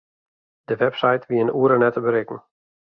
De webside wie in oere net te berikken.